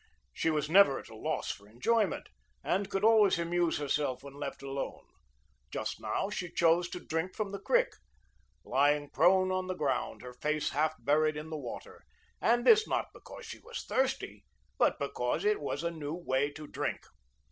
She was never at loss for enjoyment, and could always amuse herself when left alone. Just now, she chose to drink from the creek, lying prone on the ground, her face half buried in the water, and this, not because she was thirsty, but because it was a new way to drink.